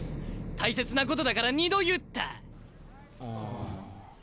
大切なことだから２度言った。